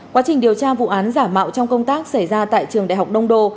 quá trình điều tra vụ án giả mạo trong công tác xảy ra tại trường đại học đông đô